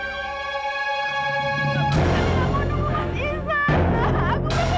tapi aku mau nunggu mas iksan